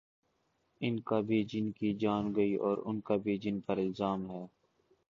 ان کا بھی جن کی جان گئی اوران کا بھی جن پر الزام ہے۔